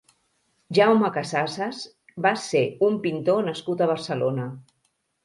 Jaume Casases va ser un pintor nascut a Barcelona.